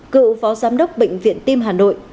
cựu phó giám đốc bệnh viện tim hà nội